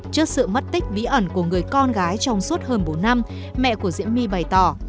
trước sự mất tích bí ẩn của người con gái trong suốt hơn bốn năm mẹ của diễm my bày tỏ